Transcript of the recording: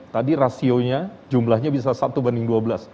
tadi rasionya jumlahnya bisa satu banding dua belas